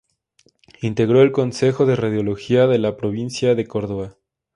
Integró el Concejo de Radiología de la provincia de Córdoba.